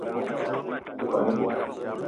Me te kwan ebog